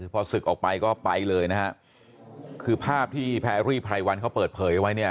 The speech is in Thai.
พอศึกออกไปก็ไปเลยนะฮะคือภาพที่แพรรี่ไพรวันเขาเปิดเผยเอาไว้เนี่ย